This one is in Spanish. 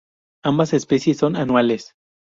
Ambas especies son anuales.